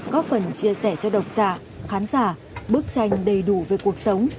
góp phần chia sẻ cho độc giả khán giả bức tranh đầy đủ về cuộc sống